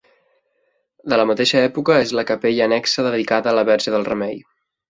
De la mateixa època és la capella annexa dedicada a la verge del Remei.